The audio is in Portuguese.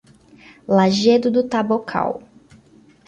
Lajedo do Tabocal